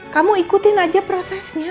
kamu ikutin aja prosesnya